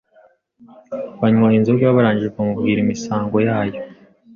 Banywa inzoga Barangije bamubwira imisango yayo